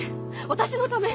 私のため？